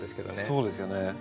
そうですよね。